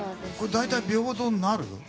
大体、平等になる？